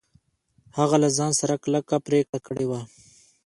هغه له ځان سره کلکه پرېکړه کړې وه.